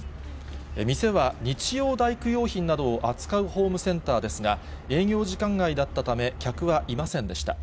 店は日曜大工用品などを扱うホームセンターですが、営業時間外だったため、客はいませんでした。